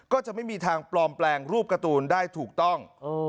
ก็จะไม่มีทางปลอมแปลงรูปการ์ตูนได้ถูกต้อง